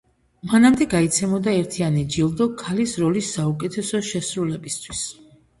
მანამდე გაიცემოდა ერთიანი ჯილდო ქალის როლის საუკეთესო შესრულებისთვის.